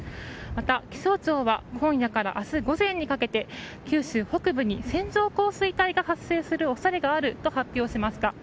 また、気象庁は今夜から明日午前にかけて九州北部に線状降水帯が発生する恐れがあると発表しました。